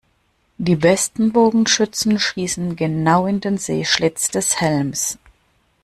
Die besten Bogenschützen schießen genau in den Sehschlitz des Helms.